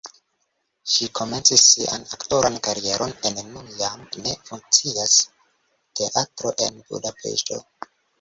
Ŝi komencis sian aktoran karieron en nun jam ne funkcianta teatro en Budapeŝto.